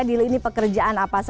di lini pekerjaan apa saja